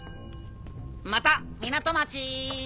また港町！